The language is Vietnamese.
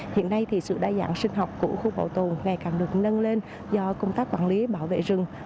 hiện nay thì sự đa dạng sinh học của khu bảo tồn ngày càng được nâng lên do công tác quản lý bảo vệ rừng